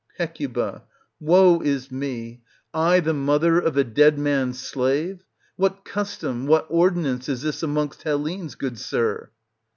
Hec. Woe is me ! I the mother of a dead man's slave ! What custom, what ordinance is this amongst Hellenes, good sir